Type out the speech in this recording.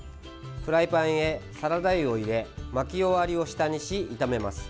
フライパンへサラダ油を入れ巻き終わりを下にし、炒めます。